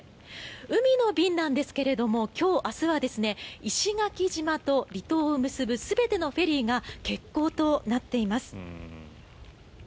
海の便なんですけど今日明日は石垣島と離島を結ぶ全てのフェリーが欠航となっています。